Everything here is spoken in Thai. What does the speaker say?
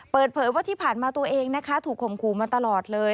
เปิดเผยว่าที่ผ่านมาตัวเองนะคะถูกข่มขู่มาตลอดเลย